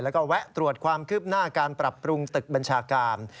แล้วก็แวะตรวจความคืบหน้าการปรับปรุงตึกบัญชาการ